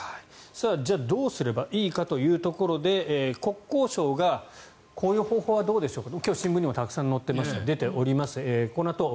じゃあどうすればいいかというところで国交省がこういう方法はどうでしょうと。